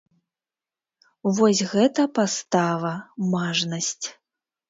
Вось гэта пастава, мажнасць!